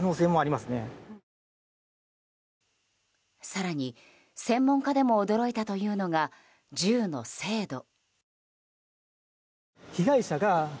更に専門家でも驚いたというのが銃の精度。